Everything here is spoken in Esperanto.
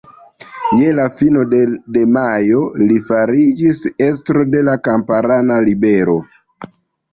Je la fino de majo li fariĝis estro de la kamparana ribelo.